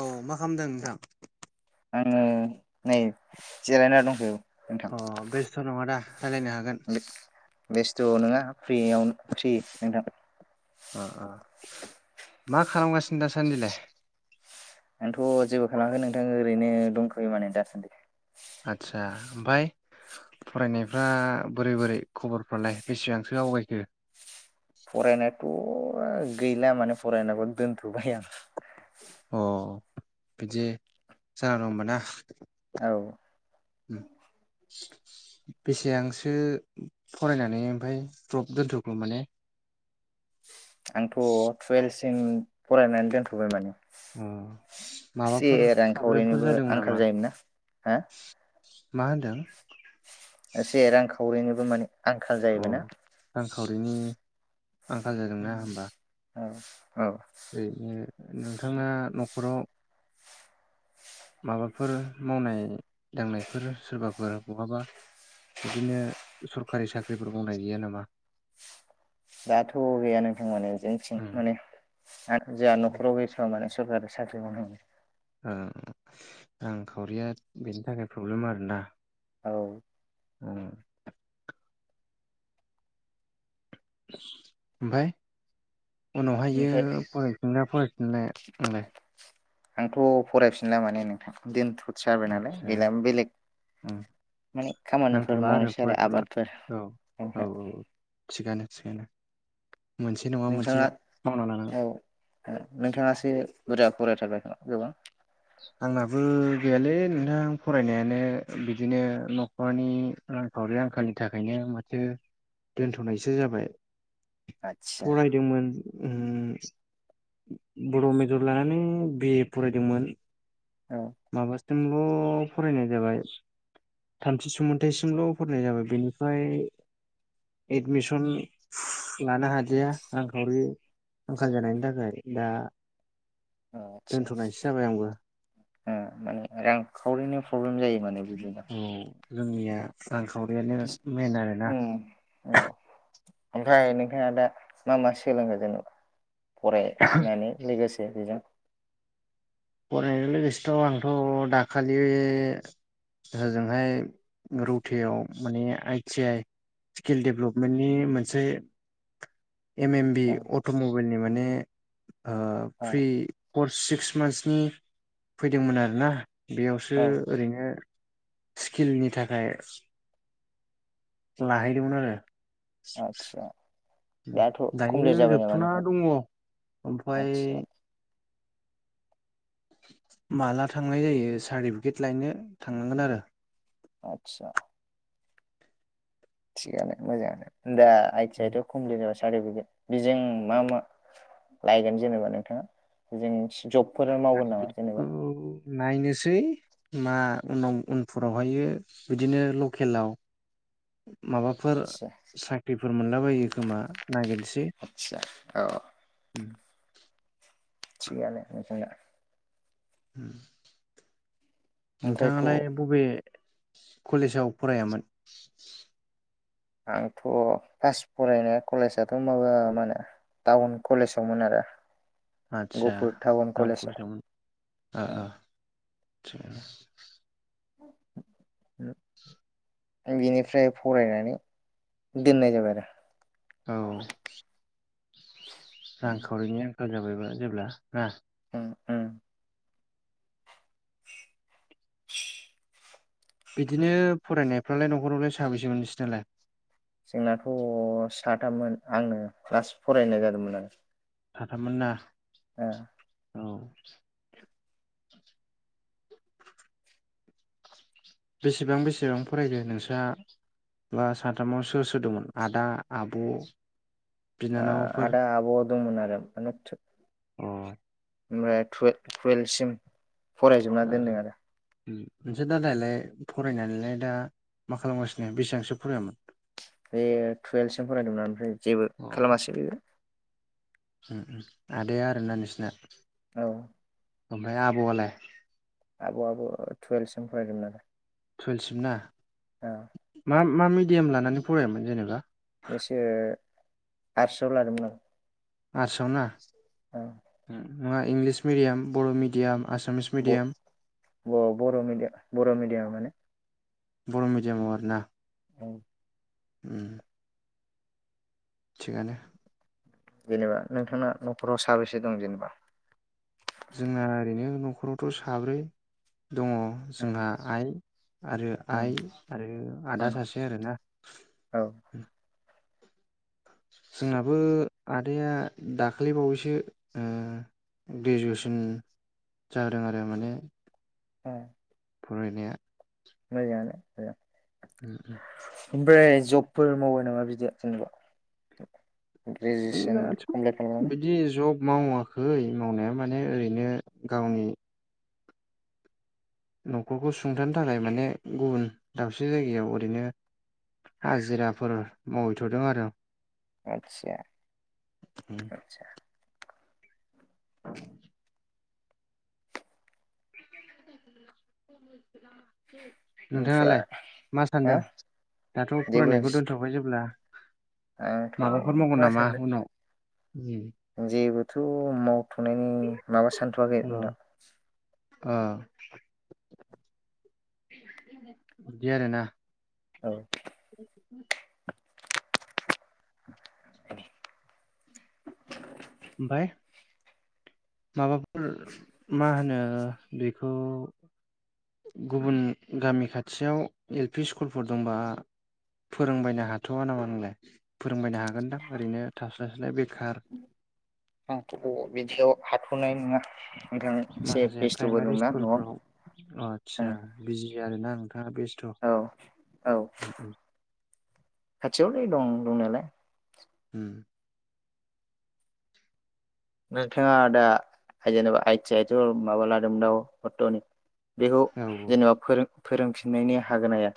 औ मा खालामदों नोंथां। आङो नै जिरायना दङो। अ बेस्थ नङा दा। रायलायनो हागोन। बेस्थ नङा फ्रियाव फ्रि नोंथां। मा खालामगासिनो दासान्दिलाय। आोंथ जेबो खालामाखै नोंथां ओरैनो दंथयो माने दासान्दि। आदसा ओमाय फरायनायफ्रा बोरै बोरै खबरफ्रालाय बेसेबांसो आवगायखो। फरायनायाथ गैला माने फरायनायाबो दोनथबाय आं। अ बिदि जान दं होनबा ना। औ‌। बेसेबांसो फरायनानै ओमफ्राय द्रप दोन्थग माने आंथ टुवेल। जों फरायनानै दोनथबाय माने। अ एसे माबाफोर प्रब्लेमफोर रांखावरिनिबो जादोंमोन आंखाल नामा। जायोमोनना हा मा होनदों। [unintelligible] आंखाल जायोबा ना। खावरिनि। आंखाल जादोंना होमबा। अ औ। ओ उम नोंथांङा न' खराव। माबाफोर मावनाय दांनायफोर सोरबाफोर बहाबा बिदिनो सरखारि साख्रिफोर मावनाय गैया नामा। दाथ गैया नोंथां माने जोंथिं उम माने आ जोंहा न' ओ खराव [unintelligible] माने। सरारि साख्रि मावनाय। ओं रांखावरिया बेनि थाखाय प्रब्लेम आरोना। औ। ओम। ओमफाय। उनाव हायो ओमफ्राय फरायफिनगोनना फरायफिनला नोंलाय। आंथ फरायफिनला माने नोंथां दोनथ जाबाय नालाय आदसा गैला बेलेग उम माने खामानिफोर नांथ'ला मावनोसै आरो फरायथ'ला आबादफोर [unintelligible] सोना। नोंथाङा औ नोंथाङासो बुरजा फरायथारबाय खोमा। गोबां। आंहाबो गैयालै नोंथां फरायनायानो बिदिनो न'खरनि रांखावरि आंखालनि थाखायनो माथो दोनथनायसो जाबाय। आदसा फरायदोंमोन ओम। बर' मेजर लानानै बि ए फरायदोंमोन। औ थोंल फरायनाय जाबाय थामथि सुमैन्थाइसिमल फरायनाय जाबाय बेनिफ्राय एडमिसन लानो हादिया रांखावरि आंखाल जानायनि थाखाय दा ओ आतसा दोनथ'नायसो जाबाय आंबो ओ माने रांखावरिनि प्रब्लेम जायो माने। बिदिनो औ लोङैआ रांखावरियानो मेन आरोना। उम औ ओमफ्राय नोंथाङा दा मा मा सोलोंङो जेनोबा फरायनानै लोगोसे बेजों फरायनायजों लोगोसेथ' आंथ' दाखालि ओजोंहाय रौतायाव माने आइटि आइ स्किल दडेभेलपमेन्टनि मोनसे एम एम बि औ अट' मबाइलनि माने ओ औ फ्रि कर सिक्स मन्थ्स नि फैदोंमोन आरो ना बेयावसो औ ओरैनो स्किलनि थाखाय लाहैदोंमोन आरो। आदसा दाथ' दायो कमप्लिट जाबाय नामा जोबथना नोंथां दङ' ओमफाय आदसा माला थांनाय जायो सार्टिफिकेट लायनो थांनांगोन आरो। आतसा थिगानो मोजाङानो दा आइ टि आइ ट कमप्लिट सार्टिफिकेट बेजों मा मा लायगोन जेनेबा नोंथाङा बेजों खौ नायनोसै मा उनाव उनफोरावहायो बिदिनो लकेलाव माबाफोर आदसा साख्रिफोर मोनलाबायो खोमा नागिरसै। [inaudible] आदसा औ थिगानो नोथांना। उम ओमफ्रायथ' नोंथाङालाय बबे कलेजाव फरायामोन आंथ फार्स्ट फरायनाय कलेज‌ आथ माबा मा होनो टाउन कलेजावमोन आरो आतसा टाउन कलेजाव ओ ओ आथसा बिनिफ्राय फरायनानै दोननाय जाबाय आरो। औ उम रांखावरिनि आंखाल जाबायबा जेब्ला ना? उम उम [unintelligible] बिदिनो फरायनायफ्रालाय न'खरावलाय साबेसेमोन नोंसिनालाय? जोंनाथ' साथाममोन आंनो क्लास फरायनाय जादोंमोन आरो। साथाममोन ना? ओ औ बेसेबां बेसेबां फरायदो नोंसा बा साथामाव सोर सोर दंमोन आदा आब'? आ बिनानावफोर आदा आब' दंमोन आरो माने अ ओमफाय टुवे-टुवेल्भसिम फरायजोबना दोनदों आरो। नोंसा दादायालाय फरायनानैलाय दा मा खालामगासिनो बेसिबांसो फरायामोन? बे टुवेल्भसिम फरायदोंमोन ओमफ्राय जेबो अ खालामासै बेयो। उम आदाया आरोना नोंसिना? औ आमफाय आब'आलाय? आब'आबो टुवेल्भसिम फरायदोंमोन आरो। टुवेलसिम ना? मा मामि एम लानानै फरायामोन जेनेबा? बेसो आरसाआव लादोंमोन आं आरसआव ना? नङा इंलिस मिडियाम बर' मिडियाम आसामिस मिडियाम ब बर' मिडिया बर' मिडियामानो। बर' मिडियामाव आरो ना? उम थिगानो। जेनेबा नोंथांना न'खराव साबेसे दं जेनेबा? जोंना ओरैनो न'खरावथ' साब्रै। दङ जोंहा आइ आरो आइ आरो आदा सासे आरोना। औ जोंनाबो आदाया दाखालि बावैसो उम ग्रेजुवेसन जादों आरो माने। उह फरायनाया मोजांआनो [unintelligible] ओमफ्राय जबफोर मावो नामा बिदि जेनबा? ग्रेजुवेसन दाथ' कमप्लिट खालामनानै बिदि जब मावाखै मावनाया माने ओरैनो गावनि नखरखौ सुंथानो थाखाय माने गुबुन दाबसे जायगायाव ओरैनो हाजिराफोर मावहैथदों आरो आं आदचा आदचा [inaudible] [inaudible] ओमफ्राय नोंथाङालाय मा हो सानदों दाथ जेबो फरायनायखौ दोनथबाय जेब्ला आंथ' माबाफोर मावगोन मा नामा साननो उनाव [unintelligible] थनायनि माबा सानथवाखै आं दा उह [inaudible] बिदि आरो ना औ [inaudible] [inaudible] ओमफाय माबाफोर मा होनो बेखौ गुबुन गामि खाथियाव एल पि स्कुल फोर दंबा फोरोंबायनो हाथवा नामा नोंलाय फोरोंबायनो हागोनदां ओरैनो थास्लाय स्लाय बेखार आंथ बिदियाव हाथनाय नङा नोंथां एसे माखासे बेस्थ'बो प्राइमारि दंना न'आव स्कुलफ्राव आस्सा बिजि आरोना नोंथा आ बेस्त औ औ उम उम खाथियावलाय दं दंनायालाय उम नोंथाङा दा जेनेबा आइ टि आइ थ माबा लादोंमोन दा हतनि बेखौ औ औ जेनेबा फोरों फोरोंफिननायनि हागोन ना हाया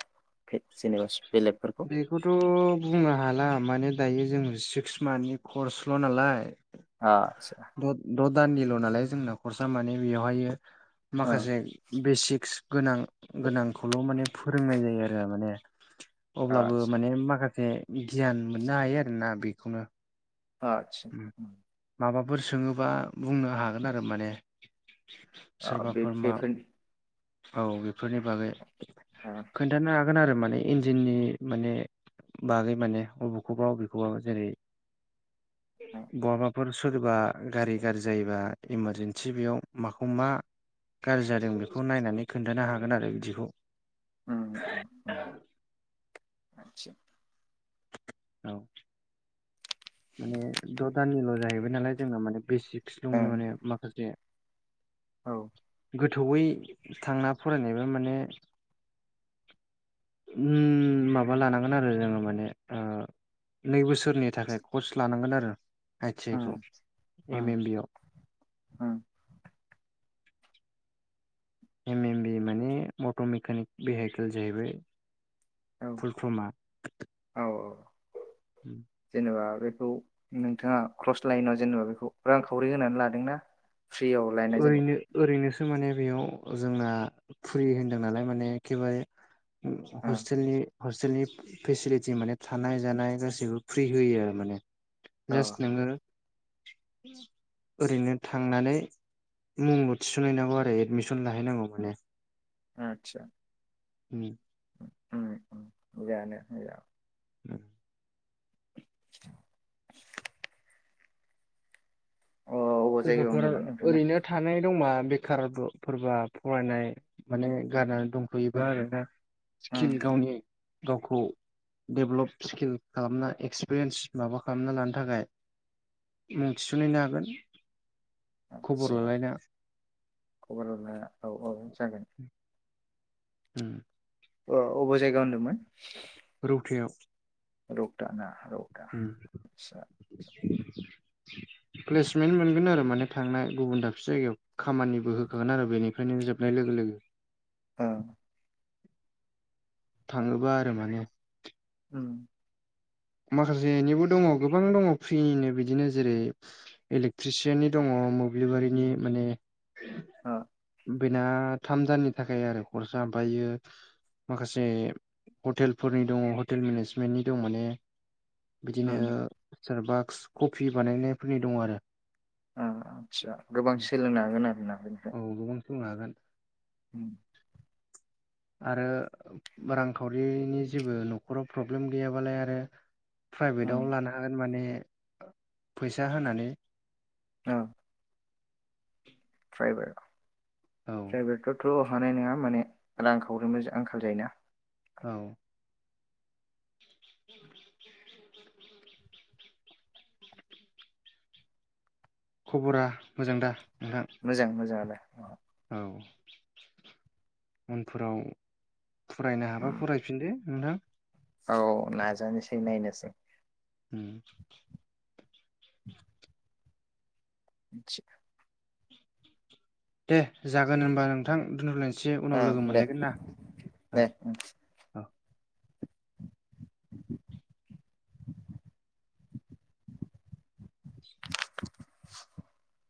जेनेबा बेलेगफोरखौ बेखौथ बुंनो हाला माने दायो जों सिक्स मान्थनि कर्सल नालाय आ द द द दाननिल नालाय जोंना खरसा माने बेवहायो माखासे आदसा बेसिक्स गोनां गोनांखौल माने फोरोंनाय जायो आरो माने अब्लाबो माने माखासे बे गियान मोननो हायो आरोना बेखौनो आतसा फोर सोङोबा बुंनो हागोन आरो माने आ बे सोरबाफोर मा फे फोरनि औ बेफोरनि बागै खोनथानो हागो गोन आरो माने इन्जिननि माने बागै माने अबेखौबा अबेखौबा जेरै [unintelligible] बेफोर सोरबा गारि गाज्रि जायोबा इमारजेन्सि बेयाव माखौ मा गाज्रि जादों बे बेखौ नायनानै खोन्थानो हागोन आरो बिदिखौ उम उम उम [unintelligible] [unintelligible] औ माने द दानिल जाहैबाय नालाय जोंना माने बेसिक्स दं ओं माने माखासे औ गोथौयै थांना फरायनायबा माने उम माबा लानांगोन आरो जोङो माने ओ नै बोसोरनि थाखाय कर्स लानांगोन आरो आइ थिं आइखौ ओं एम ओं ए बियाव। ओं एम एम बि माने मट मेकानिक भेहिकेल जाहैबाय। औ फुल फ्रम आ। औ जेनेबा बेखौ नोंथाङा क्रस लाइनआव जेनेबा बेखौ रांखावरि होनानै लादोंना। फ्रियाव लायनाय जेनेबा ओरैनो ओरैनोसो माने बेयाव जोंना फ्रि होनदों नालाय माने एखेबारे ओ हस्टेलनि हस्टेलनि फेसिलिटि माने थानाय जानाय गासैबो फ्रि होयो आरो माने औ जास नोङो ओरैनो थांनानै मुंल थिसनहैनांगौ आरो एदमिसन लाहैनांगौ माने आतसा जानो अ अबाव जायगायाव दलफोर होनदोंमोन नोंथांना ओरैनो थानाय दंबा बेखार फोरबा फरायनाय माने गारनानै दंथयोबा आरोना उम सिकिल गावनि गावखौ डेभ्लप स्किल खालामना एक्सपिरियेन्स माबा खालामना लानो थाखाय मुं थिसनहैनो हागोन खबर लालायना खबरल औ औ जागोन उम अ अबे जायगा होनदोंमोन रौथायाव रौथा ना रौता उ आदसा आदसा प्लेसमेन्ट मोनगोन आरो माने थांनाय गुबुन दाबसे जायगायाव खामानिबो होखागोन आरो बेनिफ्रायनो जोबनाय लोगो लोगो। ओ थाङोबा आरो माने। उ माखासेनिबो दङ गोबां दङ फ्रिनिनो बिदिनो जेरै इलेक्ट्रिसियाननि दङ मोब्लिबारिनि माने ओ बेना थामदाननि थाखाय आरो कर्सा ओमफायो माखासे हटेलफोरनि दङ हटेल मेनेजमेन्टनि दं माने बिदिनो उम सार बाक्स कफि बानायनायफोरनि दं आरो। आस्सा गोबां सोलोंनो हागोन आरोना। स दुं हागोन। उ आरो रांखावरिनि जेबो नखराव प्रब्लेम गैयाबालाय आरो। ओम प्राइभेटाव लानो हागोन माने फैसा होनानै। औ [inaudible] बायबाय। औ फ्रायभेत फ्रावथ हानाय नङा माने रां खावरिनिबो आंखाल जायोना। औ। [inaudible] खबरा मोजां दा? नोंथां मोजां मोजाङालाय। अ औ उनफोराव फरायनो हाबा फरायफिनदो नोंथां। औ नाजानोसै नायनोसै। ओम। [inaudible] दे जागोन होनबा नोंथां दोनथलायनोसै। उनाव लोगो ओं दे मोनलायगोन ना औ दे ओं। औ [inaudible]